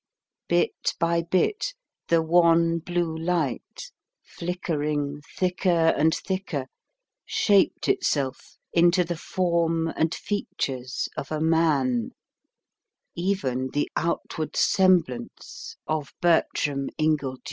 Bit by bit, the wan blue light, flickering thicker and thicker, shaped itself into the form and features of a man, even the outward semblance of Bertram Ingledew.